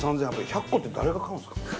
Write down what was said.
１００個って誰が買うんですか？